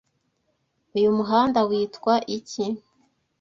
Uyu muhanda witwa iki?